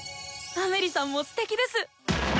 アメリさんもすてきです！